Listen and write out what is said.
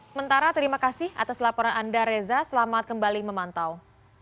sementara terima kasih atas laporan anda reza selamat kembali memantau